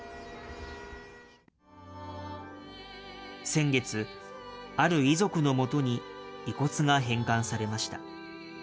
先月、ある遺族のもとに遺骨が返還されました。